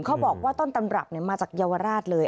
เขาบอกว่าต้นตำรับมาจากเยาวราชเลย